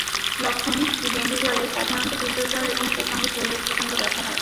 লক্ষণ কীডেঙ্গুজ্বরে সাধারণত তীব্র জ্বর এবং সেই সঙ্গে শরীরে প্রচণ্ড ব্যথা হয়।